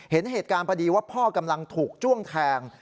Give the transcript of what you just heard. เห็นเหตุการณ์พอดีว่าพ่อกำลังถูกจ้วงแทง